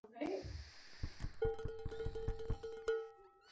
رغونکی بدلون او اصلاحات رامنځته کوي.